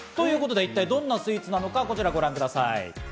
どんなスイーツかご覧ください。